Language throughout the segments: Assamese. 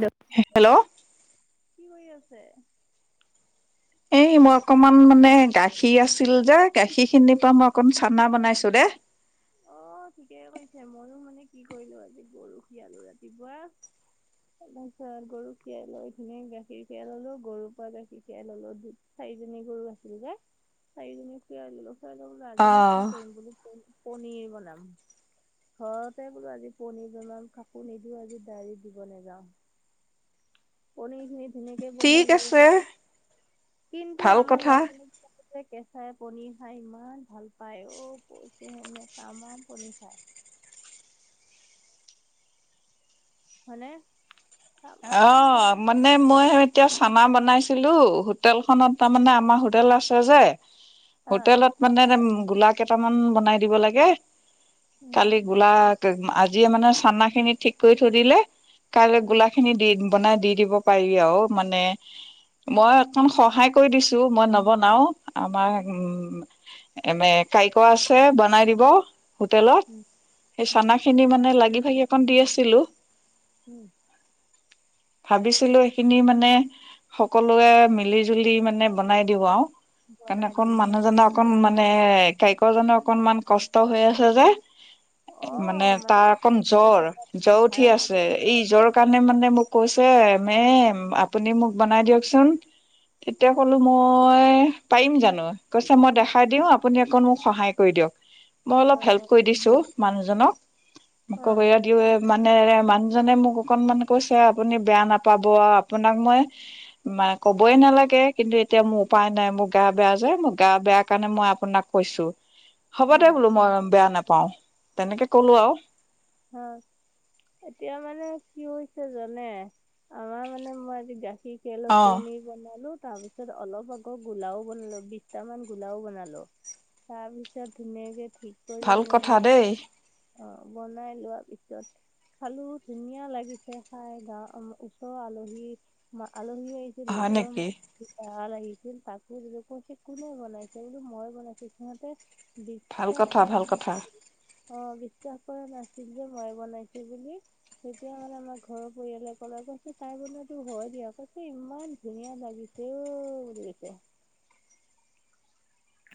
হেল্ল' কি কৰি আছে? এই মই অকমান মানে গাখীৰ আছিল যে গাখীৰ খিনিৰ পৰা মই অকন চানা বনাইছো দে। অ' ঠিকে কৈছে ময়ো মানে কি কৰিলো আজি গৰু [unintelligible] ৰাতিপুৱা। তাৰ পিছত গৰু খীৰাই লৈ ধোনিয়াকে গাখীৰ খীৰাাই ললো গৰুৰ পৰা গাখীৰ খীৰাই ললো চাৰিজনী গৰু আছিল যে চাৰিজনী খুৱাই ললো খুৱাই ল বো অ আজিনো কি কৰিম বোলো পনীৰ বনাম। ঘৰতে বোলো আজি পনীৰ ব কাকো নিদিওঁ আজি ডায়ৰ দিব নাযাওঁ [inaudible] [unintelligible] সেনেকে ঠিক বনালো আছে কিন্তু ভাল আমাৰ কথা ল'ৰা ছোৱালী কেঁচাই পনিৰ খাই ইমান ভাল পায় ও, কয়ছেহেনে টামাম পনীৰ খাই। [inaudible] হয়নে। অ' মানে মই এতিয়া চানা বনাইছিলো হোটেলখনত তাৰমানে আমাৰ হোটেল আছে যে। হোটেলত মানে গোলা কেইটামান বনাই দিব লাগে। কালি গোলা আজিয়ে মানে চানা খিনি ঠিক কৰি থৈ দিলে কাইলৈ গোলা খিনি দি বনাই দি দিব পাৰি আৰু মানে মই' অকন সহায় কৰি দিছো, মই নবনাও। আমাৰ উম এনে কাৰিকৰ আছে বনাই দিব। হোটেলত সেই চানা খিনি মানে লাগি ভাগি অক দি আছিলো্ উম। [inaudible] ভাবিছিলো এইেইখিনি মানে সকলোৱে মিলি জুলি মানে বনাই দিওঁ আৰু‌। [unintelligible] বনাই অকণ দিম বুলি মানুহজনে অকণ মানে গাইকৰজনৰ অকনমান কষ্ট হৈ আছে যে। অ মানে তাৰ অকম টোপনি খতি জ্বৰ কৰা জ্বৰ উঠি ধাৰা আছে মাৰিব এই জ্বৰ কাৰণে মে মোক কৈছে মে আপুনি মোক বনাই দিয়কচোন। তেতিয়া অ কলো মই পাৰিম জানো কৈছে মই দেখাই দিওঁ আপুনি অকন মোক সহায় কৰি দিয়ক। মই অ অলপ হেল্প কৰি দিছো মানুহজনক অ মক এয়া দিও এ মানেৰে মানুহজনে মোক অকনমান কৈছে আপুনি বেয়া নাপাব আপোনাক মই ম কবই নালাগে, কিন্তু এতিয়া মোৰ উপায় নাই মোৰ গা বেয়া যে, মোৰ গা বেয়া কাৰণে মই আপোনাক কৈছোঁ। হ'ব দে বোলোঁ মই বেয়া নাপাওঁ। হয়। হয় এতিয়া মানে কি হৈছে জানে? আমাৰ মানে মই আজি গাখীৰ খিৰাই লৈ অ পনিৰ বনালো তাৰ পিছত অলপ আকৌ গোলাও বনালো। বিশটামান গোলাও বনালোঁ। তাৰপিছত ধুনীয়াকে ঠিক কৰি ভাল মেলি কথা দেই। অ, বনাই লোৱা পিছত খালোঁ ধুনীয়া লাগিছে খাই গা উম ওচৰৰ আলহী মা আলহী আহিছিল হয় ওচৰৰ নেকি মানুহ দুটা। ভাল আহিছিল। তাকো দিছোঁ কৈছে কোনে বনাইছে? বোলো মই বনাইছোঁ। সিহঁতে ভাল বিশ্বাস কথা কৰা ভাল কথা নাছিল। অ, বিশ্বাস কৰা নাছিল, যে মই বনাইছোঁ বুলি। তেতিয়া মানে আমাৰ ঘৰৰ পৰিয়ালে ক'লে ত কৈছে তাই বনোৱা হয় দিয়া। কৈছে ইমান ধুনীয়া লাগিছে অ বুলি কৈছে। [inaudible]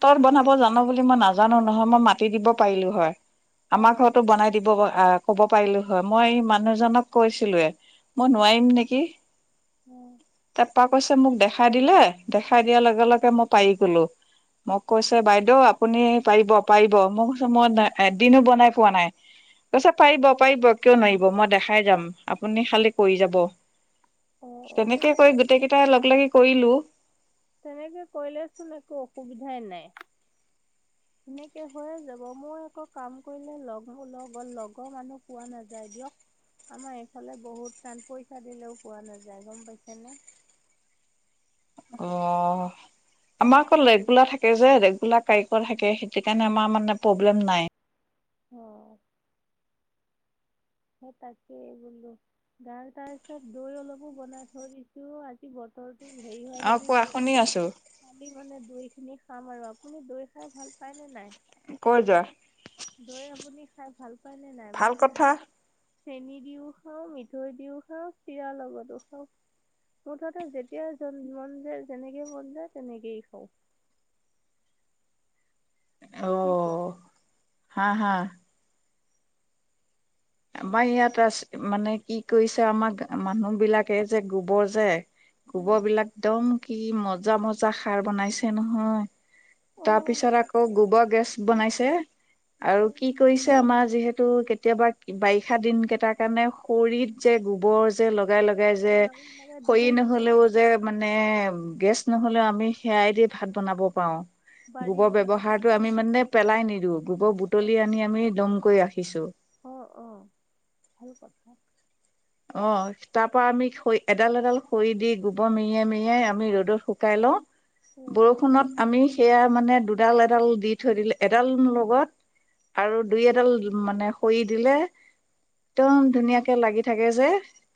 তোৰ বনাব মই জানোঁ বুলি মই নাজানোঁ নহয়, মই মাতি দিব পাৰিলো হয়। অ আমাৰ ঘৰতো বনাই দিবগৈ। অ, ক'ব পাৰিলো হয়। মই মানুহজনক কৈছিলোঁৱেই। মই নোৱাৰিম নেকি? উম। তাই কৈছে মোক দেখাই দিলে। দেখাই দিয়াৰ লগে লগে মই পাৰি গলোঁ। মোক কৈছে বাইদেউ আপুনি পাৰিব পাৰিব। মই কৈছোঁ মই নাই এদিনো বনাই পোৱা নাই। কৈছে পাৰিব পাৰিব। কিয় নোৱাৰিব? মই দেখাই যাম, আপুনি খালি কৰি যাব। অ অ তেনেকে কৰি গোটেই কেইটাই লগ লাগি কৰিলোঁ। তেনেকে কৰিলে চোন একো অসুবিধাই নাই। [inaudible] সেনেকে হৈয়ে যাব। মোৰ আকৌ কাম কৰিলে লগ ব লগৰ লগৰ মানুহ পোৱা নাযায় দিয়ক। আমাৰ এইফালে বহুত টান পইচা দিলেও পোৱা নাযায় গম পাইছেনে? অহ আমাৰ অকল ৰেগুলাৰ থাকে যে, ৰেগুলাৰ কাৰিকৰ থাকে। সেইটো কাৰণে আমাৰ মানে প্ৰব্লেম নাই। [inaudible] অ সেই তাকেই বোলো গাৰ তাৰ পিছত দৈ অলপো বনাই থৈ দিছোঁ। আজি বতৰ হেৰি হয় অ যদিও কোৱা শুনি আছো [unintelligible] খালি মানে দৈ খিনি খাম আৰু আপুনি দৈ খাই ভাল পায় নে নাই? কৈ যোৱা দৈ আপুনি খাই ভাল পায় নে নাই? ভাল মই যে কথা দৈ চেনী দিওঁ খাওঁ, মিঠৈ দিওঁ খাওঁ, চিৰাৰ লগতো খাওঁ। মুঠতে যেতিয়া যন মন যায়, যেনেকে মন যায় তেনেকেই খাওঁ। [inaudible] অ শুইছে। হা হা। আমাৰ ইয়াত আছে মানে, কি কৰিছে, আমাক মানুহ বিলাকে যে, গোবৰ যে গোবৰ বিলাক একদম কি মজা মজা সাৰ বনাইছে নহয়। অ তাৰ পিছত আকৌ গোবৰ গেছ বনাইছে। আৰু কি কৰিছে আমাৰ যিহেতু কেতিয়াবা বাৰিষা দিন কেইটাৰ কাৰণে খৰিত যে, গোবৰ যে ল লগাই লগাই যে, দীঘল খৰি দীঘল নহ'লেও যে মানে গেছ নহ'লেও আমি সেয়াই দি ভাত বনাব পাৰোঁ। বাৰী গোবৰ দীঘল দীঘল ব্যৱহাৰটো আমি মানে পেলাই নিদিওঁ। গোবৰ বুটলি আনি আমি দম কৰি ৰাখিছোঁ। [inaudible] অ অ ভাল কথা। অ' তাৰ পৰা আমি খৰি এডাল এডাল খৰি দি গোবৰ মেৰিয়াই মেৰিয়াই আমি ৰ'দত শুকাই লওঁ। উম বৰষুণত আমি সেয়া মানে দুডাল এডাল দি থৈ দিলে এডাল লগত আৰু দুই এডাল মানে খৰি দিলে একদম ধুনীয়াকে লাগি থাকে যে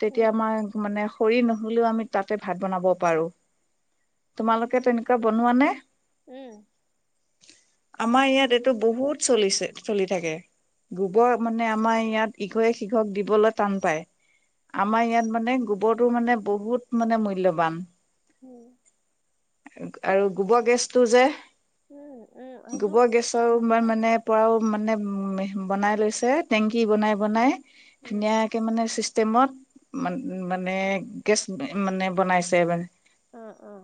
তেতিয়া উম মই মানে খৰি নহ'লেও, আমি তাতে ভাত বনাব পাৰোঁ। তোমালোকে তেনেকুৱা বনোৱা নে? উম। আমাৰ ইয়াত এইটো বহুত চলিছে চলি থাকে গোবৰ মানে আমাৰ ইয়াত ইঘৰে সিঘৰক দিবলৈ টান পায়। আমাৰ ইয়াত মানে গোবৰটো মানে বহুত মানে মূল্যৱান। উম। আৰু গোবৰ গেছতটো যে উম। উম উম সেইটো গোবৰ গেছৰ হাঁহত। মানে পৰাও মানে উ বনাই লৈছে টেংকি বনাই বনাই উম ধুনীয়াকে মানে চিষ্টেমত মানে গেছ মানে বনাইছে মানে অ' অ'।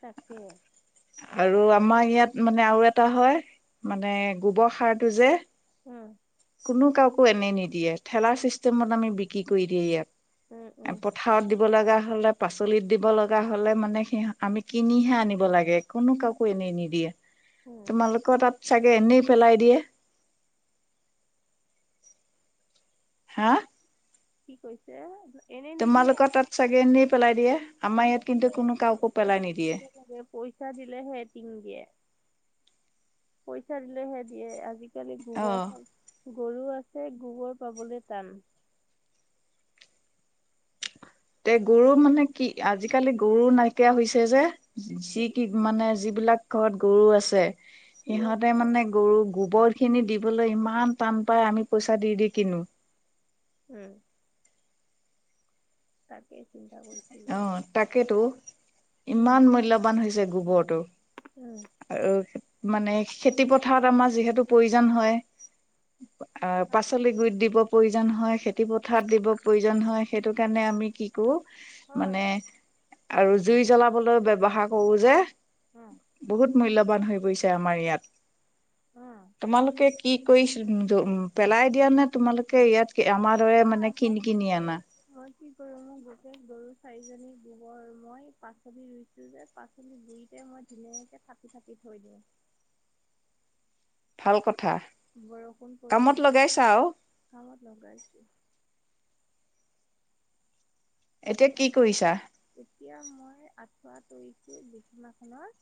তাকেই। আৰু আমাৰ ইয়াত মানে আৰু এটা হয় মানে গোবৰ সাৰটো যে উম কোনো কাকো এনেই নিদিয়ে ঠেলা ছিষ্টেমত আমি বিক্ৰী কৰি দিয়ে উম উম ইয়াত। পথাৰত দিব লগা লে পাচলিত দিব লগা হ'লে মানে সি আমি কিনিহে আনিব লাগে কোনো কাকো এনেই নিদিয়ে। উম তোমালোকৰ তাত চাগে এনেই পেলাই দিয়ে। হা। কি কৈছে? এনে নিদিয়ে তোমালোকৰ তাত চাগেই এনেই পেলাই দিয়ে। আমাৰ আজিকালি ইয়াত কিন্তু কোনো কাকো পেলাই নিদিয়ে। দিব লাগে পইচা দিলেহে এটিং দিয়ে। পইচা দিলেহে দিয়ে। আজিকালি অ গোবৰসাৰ গৰু আছে গোবৰ পাবলৈ টান। তে গৰু মানে কি, আজিকালি গৰু নাইকিয়া হৈছে যে, যিটি মানে যি বিলাক ঘৰত গৰু আছে, চোৰক সিহঁতে মানে গৰু গোবৰখিনি দিবলৈ ইমান টান পায়, আমি পইচা দি দি কিনো। উম তাকেই অ', তাকেইতো, ইমান উম মূল্যবান হৈছে গোবৰটো। উম আৰু মানে খেতি পথাৰত আমাৰ যিহেত তু প্ৰয়োজন হয়, আ, পাচলি গুৰিত দিব প্ৰয়োজন হয় সেইটো খেতি পথাৰত দিব প্ৰয়োজন হয়, সেইটো কাৰণে আমি কি কৰোঁ অ', মানে আৰু জুই জ্বলাবলৈ ব্যৱহাৰ কৰোঁ যে উম বহুত মূল্যবান হৈ পৰিছে আমাৰ ইয়াত, উম তোমালোকে কি কৰি-পেলাই দিয়া নে তোমালোকে ইয়াত আমাৰ [inaudible] দৰে মানে মই কিনি কি কিনি কৰোঁ, আনা মই কি কৰোঁ মোৰ গোটেই গৰু চাৰিজনীৰ গোবৰ মই পাচলি ৰুইছো যে, পাচলি গুৰিতে মই ধুনীয়াকে থাপি থাপি দি থৈ দিওঁ। ভাল কথ বৰষুণ পৰিলেতো, আৰু কামত লগাইছো এতিয়া কি কৰিছা [inaudible] এতিয়া মই আঠ আঁঠুৱা তৰিছো বিছনাখনৰ,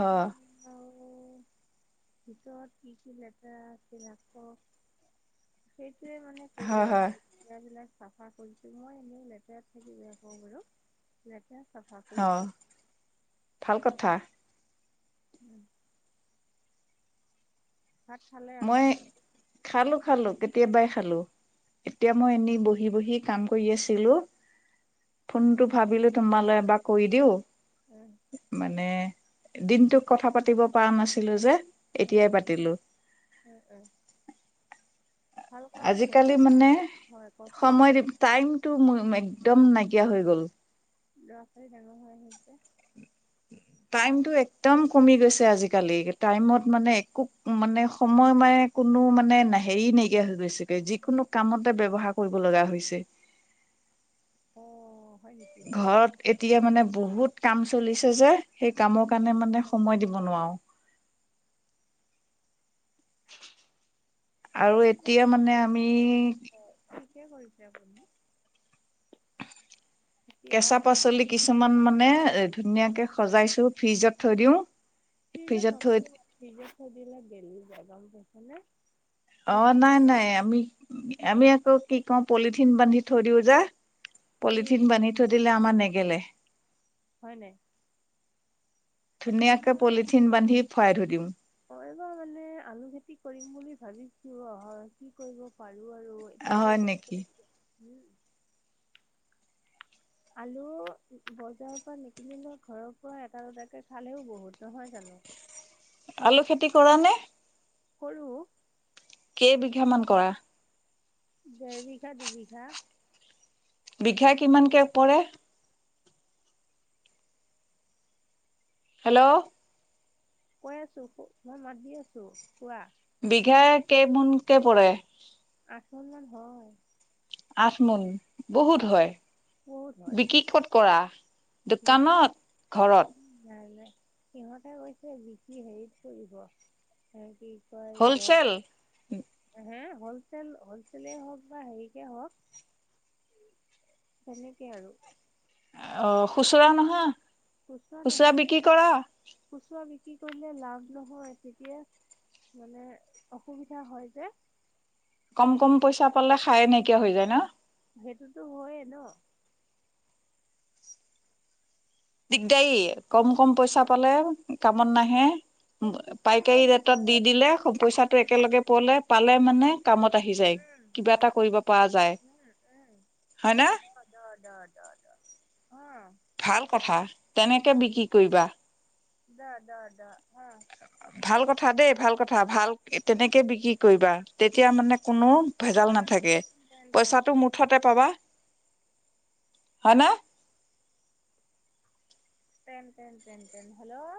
হয় আৰু [inaudible] ভিতৰত কি কি লেতেৰা আছিল আক সেই সেইটোৱে মানে কৰি হয় আছো হয় বিলাক চাফা কৰিছো মই এনে লেতেৰাত থাকিব ক বাৰু লেতেৰাত অ ভাল কথা। উম। ভাত খালে মই আপোনাৰ খালো-খালো। কেতিয়াবাই খালো, এতিয়া মই এনে বহি-বহি কাম কৰি আছিলো। ফোনটো ভাবিলো তোমালৈ এবাৰ কৰি দিওঁ। এ, মানে দিনটোক কথা পাতিব পৰা নাছিলো যে। এ, এতিয়াই পাতিলো। এ, ভাল কামে কৰি আজিকালি মানে হয় কওকচোন সময় টাইমটো একদম নাইকিয়া হৈ গ'ল। লৰা ছোৱালী ডাঙৰ হৈ আহিছে। টাইমতটো একদম কমি গৈছে আজিকালি টাইমত মানে একো- উম মানে সময় মানে কোনো মানে হেৰি নাইকিয়া হৈ গৈছেগে যিকোনো কামত ব্যৱহাৰ কৰিব লগা হৈছে। অ। হয় নেকি ঘৰত এতিয়া মানে বহুত কাম চলিছে যে সেই কামৰ কাৰণে মানে সময় দিব নোৱাৰো। আৰু ঠিকে এতিয়া মানে আমি কিয় কৰিছে আপুনি? এতিয়া কেঁচা পাচলি কিছুমান মানে এ ধুনীয়াকে সজাইছো ফ্ৰিজত থৈ দিওঁ। ফ্ৰীজত ফ্ৰিজত থৈ নথও আৰু, ফ্ৰীজত থৈ দিলে গেল অ নাই নাই আমি আমি আকৌ কি কওঁ পলিথিন বান্ধি থৈ দিওঁ যে। পলিথিন উম বান্ধি থৈ দিলে আমাৰ নেগেলে। হয় নাই? ধুনীয়াকে পলিথিন বান্ধি ভৰাই থৈ দিও। অবাৰ মানে আলু খেতি বুলি ভাবিছো্ হয় নেকি। উম আলু বজাৰৰ পৰা নিকিনিলেও ঘৰৰ পৰা এটা-দুটাকে খালেও বহুত, নহয় জানো? আলু খেতি কৰা নে? সৰু কেই বিঘা মান কৰা? দেৰ বিঘা, দুই বিঘা। বিঘা কিমানকে পৰে? হেল্ল'। কৈ আছো, মই মাত দি আছো, কোৱা। বিঘা কেইমোনকে পৰে? আঠল মান হয়। আচমোন বহুত হয় বহুত হয় বিক্ৰীত কৰা। বিকি দোকানত ঘৰত। নাই নাই সিহঁতে কৈছে বিকি হেৰিত পঢ়িব এ কি ছয় হলচেল দহ হা হলচেল, হলচলেই হওক বা হেৰিকে হওক তেনেকে আৰু। অ খুচুৰা নহয়। খুচুৰা নহয় বিক্ৰী কৰা খুচুৰা বিক্ৰী কৰিলে লাভ নহয় তেতিয়া। মানে অসুবিধা হয় যে। কম, কম পইচা পালে খাই নাইকিয়া হৈ যায় না? সেইটোতো হয় ন। দিগদাৰী, কম, কম পইচা পালে কামত নাহে। এইটো পাইকাৰী ৰেটত দি দিলে, পইচাটো একেলগে পোৱলে, পালে মানে কামত আহি যায়, কিবা এটা কৰিব পৰা যায়। হয় ন দ, দ, দ, দ, দ, অ,। ভাল কথা তেনেকে বিক্ৰী কৰিবা। দ-দ-দ-স। ভাল কথা দেই ভাল কথা ভাল, তেনেকে বিক্ৰী কৰিবা তেতিয়া মানে কোনো ভেজাল অ নাথাকে, তেন তেন পইচাটো মুঠতে পাবা। হয় ন? তেন, তেন, তেন, তেন, হেল্ল'।